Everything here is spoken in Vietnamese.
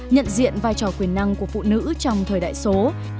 nhận diện vai trò quyền năng của phụ nữ trong thời đại số